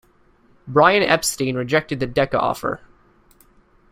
Brian Epstein rejected the Decca offer.